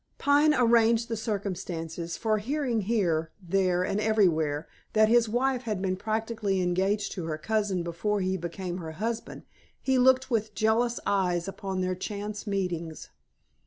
Pine arranged the circumstances, for hearing here, there, and everywhere, that his wife had been practically engaged to her cousin before he became her husband, he looked with jealous eyes upon their chance meetings.